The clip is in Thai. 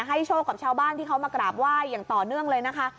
โชคกับชาวบ้านที่เขามากราบไหว้อย่างต่อเนื่องเลยนะคะ